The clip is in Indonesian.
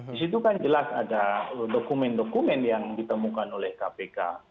di situ kan jelas ada dokumen dokumen yang ditemukan oleh kpk